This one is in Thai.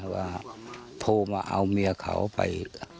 ว่าโทรมาเอาเมียเขาไป